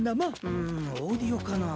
うんオーディオかな。